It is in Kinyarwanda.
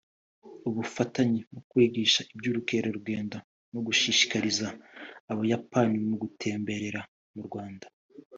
ubufatanye mu kwigisha iby’ubukerarugendo no gushishikariza Abayapani gutemberera mu Rwanda